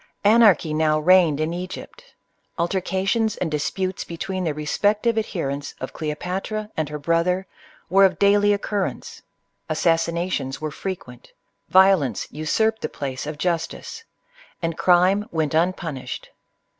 Anarchy now reigned in Egypt. Altercations and disputes between the respective adherents of Cleopatra and her brother were of daily occurrence. Assassina tions were frequent; violence usurped the place of justice; and crime went unpunished.